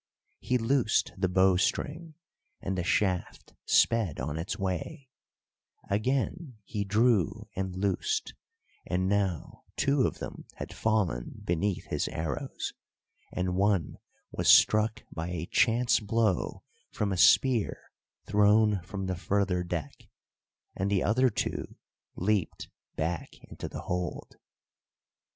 He loosed the bowstring and the shaft sped on its way; again he drew and loosed, and now two of them had fallen beneath his arrows, and one was struck by a chance blow from a spear thrown from the further deck, and the other two leaped back into the hold.